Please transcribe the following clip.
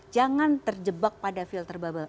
jangan terjebak pada filter bubble